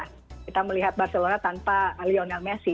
kita melihat barcelona tanpa lionel messi